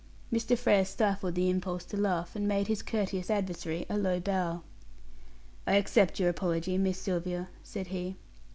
Mr. Frere stifled the impulse to laugh, and made his courteous adversary a low bow. "I accept your apology, Miss Sylvia," said he.